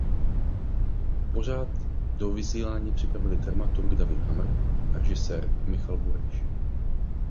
Pořad do vysílání připravili dramaturg David Hamr a režisér Michal Bureš.